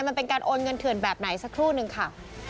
มันเป็นการโอนเงินเถื่อนแบบไหนสักครู่นึงค่ะ